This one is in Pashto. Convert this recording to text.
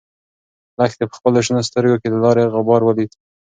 لښتې په خپلو شنه سترګو کې د لارې غبار ولید.